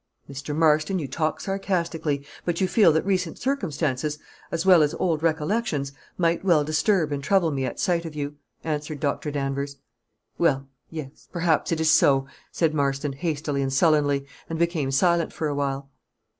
"Mr. Marston, you talk sarcastically, but you feel that recent circumstances, as well as old recollections, might well disturb and trouble me at sight of you," answered Dr. Danvers. "Well yes perhaps it is so," said Marston, hastily and sullenly, and became silent for a while.